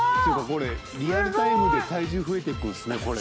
これリアルタイムで体重増えていくんですねこれ。